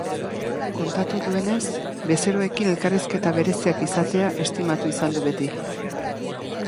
Kontatu duenez, bezeroekin elkarrizketa bereziak izatea estimatu izan du beti.